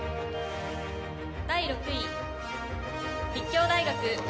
第６位、立教大学。